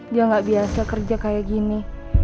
dia nggak biasa kerja kayak gini